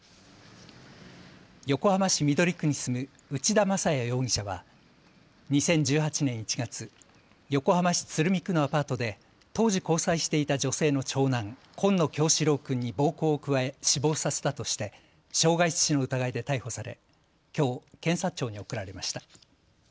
横浜市緑区に住む内田正也容疑者は２０１８年１月横浜市鶴見区のアパートで当時、交際していた女性の長男紺野叶志郎くんに暴行を加え、死亡させたとして傷害致死の疑いで逮捕されきょう検察庁に送られました。